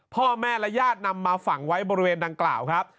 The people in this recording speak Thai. พ่อแม่และญาตินำมาฝังไว้บริเวณดังกล่าวครับ